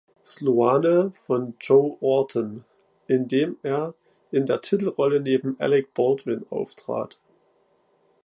Sloane" von Joe Orton, in dem er in der Titelrolle neben Alec Baldwin auftrat.